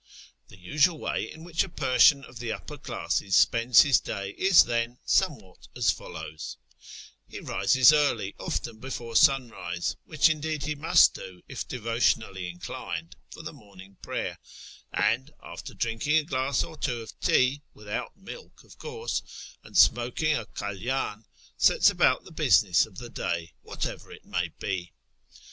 The usual way in which a Persian of the upper classes spends his day is, then, somewhat as follows :— He rises early, often before sunrise (which, indeed, he must do, if devotionally inclined, for the morning prayer), and, after drinking a glass or two of tea (without milk, of course) and smoking a kalydn, 1 sets about the business of the day, whatever it may be.